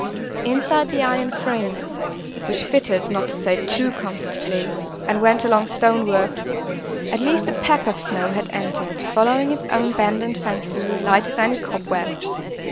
Inside the iron frame (which fitted, not to say too comfortably, and went along the stonework), at least a peck of snow had entered, following its own bend and fancy; light as any cobweb.